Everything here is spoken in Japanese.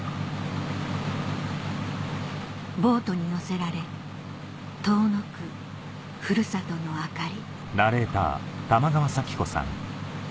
ボートに乗せられ遠のくふるさとの明かり